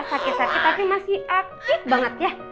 sakit sakit tapi masih aktif banget ya